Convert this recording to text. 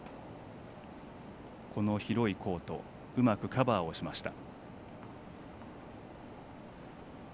この広いコートうまくカバーをしました。